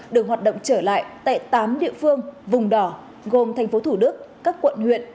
được hoạt động trở lại tại tám địa phương vùng đỏ gồm thành phố thủ đức các quận huyện